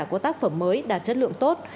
của tác phẩm mới đạt chất lượng tốt